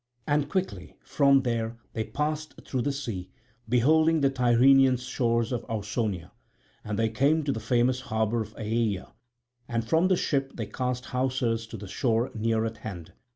And quickly from there they passed through the sea, beholding the Tyrrhenian shores of Ausonia; and they came to the famous harbour of Aeaea, and from the ship they cast hawsers to the shore near at hand.